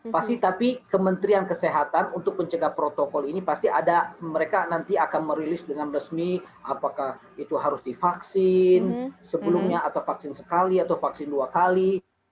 pasti tapi kementerian kesehatan untuk mencegah protokol ini pasti ada mereka nanti akan merilis dengan resmi apakah itu harus divaksin sebelumnya atau vaksin sekali atau vaksin dua kali